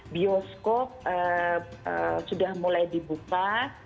bioskop sudah mulai dibuka